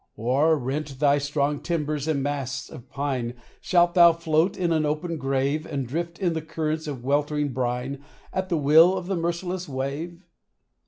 Or, rent thy strong timbers and masts of pine, Shalt thou float in an open grave, And drift in the currents of weltering brine At the will of the merciless wave